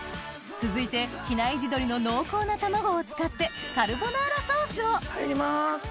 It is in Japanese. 続いて比内地鶏の濃厚な卵を使ってカルボナーラソースを入ります！